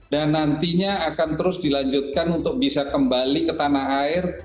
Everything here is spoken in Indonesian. dan nantinya akan terus dilanjutkan untuk bisa kembali ke tanah air